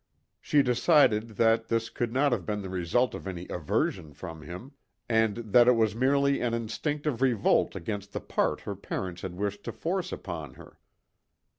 She decided that this could not have been the result of any aversion from him, and that it was merely an instinctive revolt against the part her parents had wished to force upon her.